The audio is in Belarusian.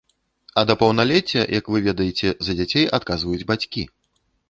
А да паўналецця, як вы ведаеце, за дзяцей адказваюць бацькі.